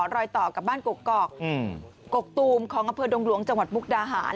รอยต่อกับบ้านกกอกกกตูมของอำเภอดงหลวงจังหวัดมุกดาหาร